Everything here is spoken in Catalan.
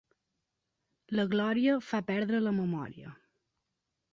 La glòria fa perdre la memòria.